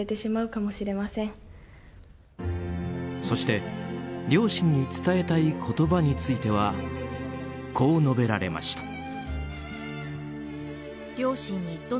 そして両親に伝えたい言葉についてはこう述べられました。